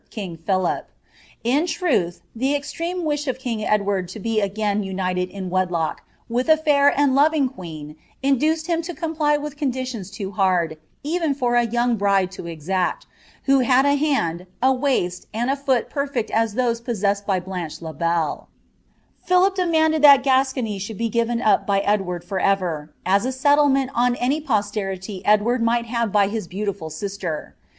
king Philip. In truth, the extreme wi»h of king Edward to be ipis united in wedlock with a lair and loving queen induced him to comdr with rondilions loo hard, even for a young bride to exact, who hta j hand, a waist, and a fool perfect as those possessed by Blanche In Belk Philip demanded thai Gascony should be given up by Edward fvcrvBi as a settlement on any posterity Edward might have by his bMuAil sister.